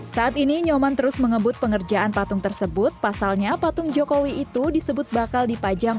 saat ini nyoman terus mengebut pengerjaan patung tersebut pasalnya patung jokowi itu disebut bakal dipajang